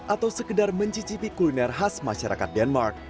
atau sekedar mencicipi kuliner khas masyarakat denmark